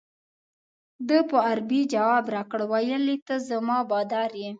ده په عربي جواب راکړ ویل ته زما بادار یې.